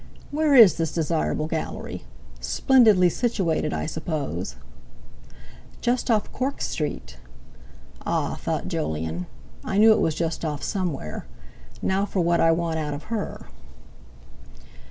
"Where is this desirable Gallery? Splendidly situated, I suppose?" "Just off Cork Street." "Ah!" thought Jolyon, "I knew it was just off somewhere. Now for what I want out of _her!